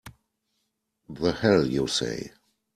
The hell you say!